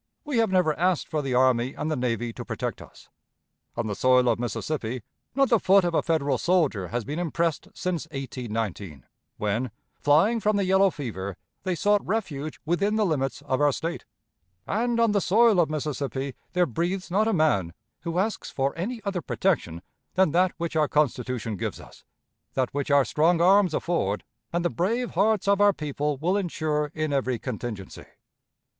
We have never asked for the army and the navy to protect us. On the soil of Mississippi, not the foot of a Federal soldier has been impressed since 1819, when, flying from the yellow fever, they sought refuge within the limits of our State; and on the soil of Mississippi there breathes not a man who asks for any other protection than that which our Constitution gives us, that which our strong arms afford, and the brave hearts of our people will insure in every contingency.